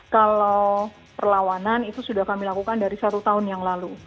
kalau perlawanan itu sudah kami lakukan dari satu tahun yang lalu